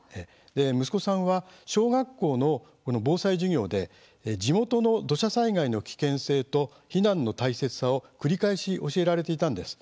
息子さんは小学校の防災授業で地元の土砂災害の危険性と避難の大切さを繰り返し教えられていたんです。